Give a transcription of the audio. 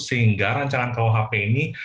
sehingga rancangan kuhp ini